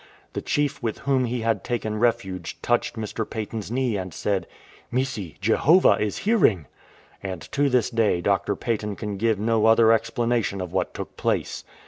The chief with whom he had taken refuge touched Mr. Paton''s knee and said, " Missi, Jehovah is hearing !" And to this day Dr. Paton can give no other explanation of what took place.